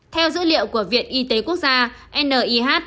theo dữ liệu của viện y tế quốc gia nih